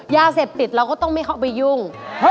ยาเสพติดเราก็ต้องไม่เข้าไปยุ่ง